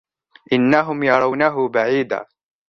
إِنَّهُمْ يَرَوْنَهُ بَعِيدًا